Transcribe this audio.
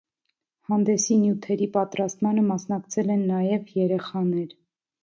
Հանդեսի նյութերի պատրաստմանը մասնակցել են նաև երեխաներ։